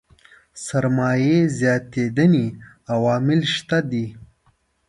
سرمايې زياتېدنې عوامل شته دي.